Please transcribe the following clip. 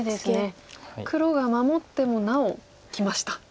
黒が守ってもなおきました。